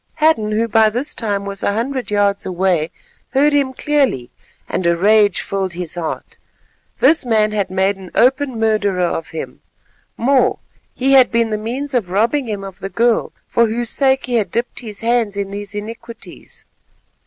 Hadden, who by this time was a hundred yards away, heard him clearly, and a rage filled his heart. This man had made an open murderer of him; more, he had been the means of robbing him of the girl for whose sake he had dipped his hands in these iniquities.